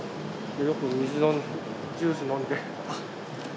よく水、ジュース飲んで。